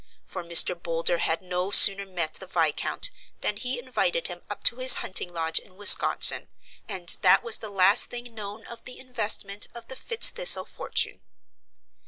For Mr. Boulder had no sooner met the Viscount than he invited him up to his hunting lodge in Wisconsin, and that was the last thing known of the investment of the FitzThistle fortune.